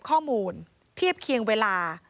ข้อมูลเทียบเคียงเวลา